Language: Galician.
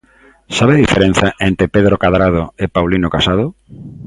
¿Sabe a diferenza entre Pedro Cadrado e Paulino Casado?